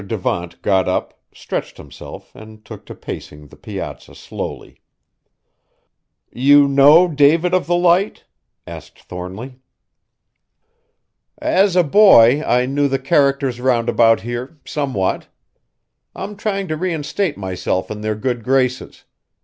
Devant got up, stretched himself and took to pacing the piazza slowly. "You know David of the Light?" asked Thornly. "As a boy I knew the characters roundabout here, somewhat. I'm trying to reinstate myself in their good graces.